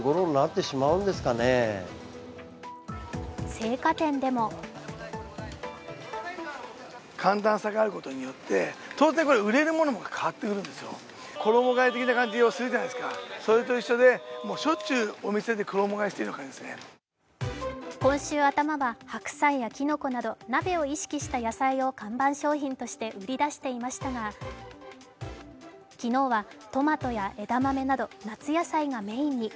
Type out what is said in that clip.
青果店でも今週頭は、白菜やきのこなど鍋を意識した野菜を看板商品として売り出していましたが昨日はトマトや枝豆など夏野菜がメインに。